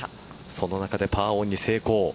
その中でパーオンに成功。